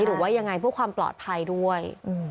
หรือว่ายังไงเพื่อความปลอดภัยด้วย